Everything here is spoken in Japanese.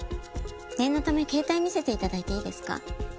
念のため携帯見せて頂いていいですか？